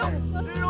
takut pendungan lu